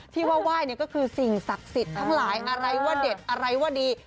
ที่ว่าไหว้เนี่ยก็คือสิ่งศักดิ์สิทธิ์ทั้งหลายอะไรว่าเด็ดอะไรว่าดี